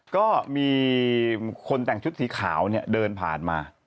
ก็มีคนแต่งชุดสีขาวเนี่ยเดินผ่านมา